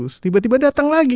terus tiba tiba datang lagi